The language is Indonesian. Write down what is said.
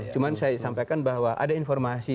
cuma saya sampaikan bahwa ada informasi